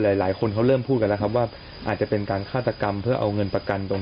บ้านหลายคนเขาเริ่มพูดกันเร่งว่าอาจจะเป็นการคาตกรรมเพื่อเอาเงินประกันตรงนี้ล่ะหุ่ง